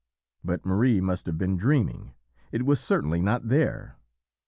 But Marie must have been dreaming, it was certainly not there.